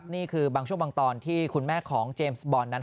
นี่คือบางช่วงบางตอนที่คุณแม่ของเจมส์บอลนั้น